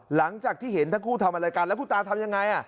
หลังจากที่เห็นทั้งคู่ทำอะไรกันแล้วคุณตาทำยังไง